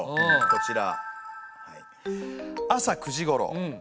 こちら。